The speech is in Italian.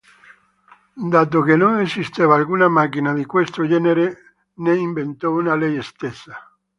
Dato che non esisteva alcuna macchina di questo genere, ne inventò una lei stessa.